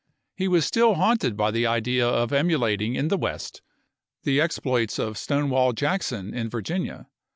He was still haunted by the idea of emulating in the west the exploits of Stonewall Jackson in Virginia.